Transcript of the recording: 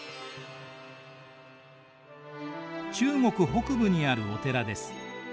中国北部にあるお寺です。